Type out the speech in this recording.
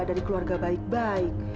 dari keluarga baik baik